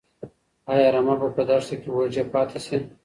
ايا رمه به په دښته کې وږي پاتې شي؟